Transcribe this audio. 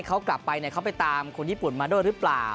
เขากลับไปเขาไปตามคนญี่ปุ่นมาด้วยหรือเปล่า